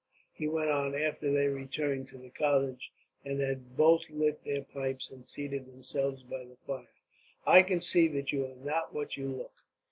he went on, after they returned to the cottage, and had both lit their pipes and seated themselves by the fire. "I can see that you are not what you look.